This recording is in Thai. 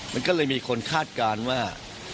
มันก็เลยมีคนคาดการณ์ว่า